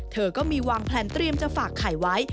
เธอก็มีวางแพลนเตรียมจะฝากไข่ไว้